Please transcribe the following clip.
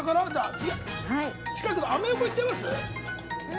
近くのアメ横行っちゃいます。